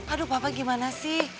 aduh papa gimana sih